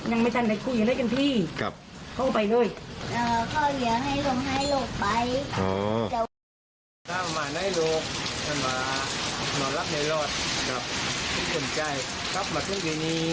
ยังไม่ทันได้คุยอะไรกันพี่เขาก็ไปเลย